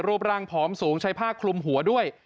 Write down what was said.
รูปร่างผอมสูงใช้ผ้าคลุมหัวด้วย